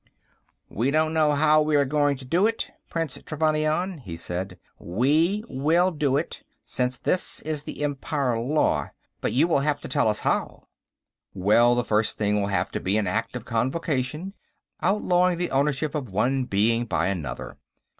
"We don't know how we are going to do it, Prince Trevannion," he said. "We will do it, since this is the Empire law, but you will have to tell us how." "Well, the first thing will have to be an Act of Convocation, outlawing the ownership of one being by another.